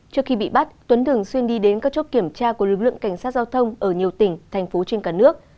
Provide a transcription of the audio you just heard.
trước khi bị bắt tuấn thường xuyên đi đến các chốt kiểm tra của lực lượng cảnh sát giao thông ở nhiều tỉnh thành phố trên cả nước